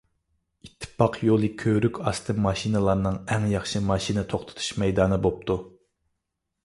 ئىتتىپاق يولى كۆۋرۈك ئاستى ماشىنىلارنىڭ ئەڭ ياخشى ماشىنا توختىتىش مەيدانى بوپتۇ.